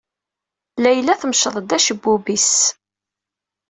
Layla temceḍ-d acebbub-is.